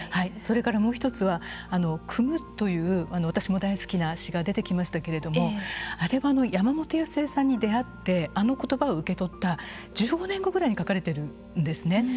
それからもう一つは「汲む」という私も大好きな詩が出てきましたけれどもあれは山本安英さんに出会ってあの言葉を受け取った１５年後ぐらいに書かれてるんですね。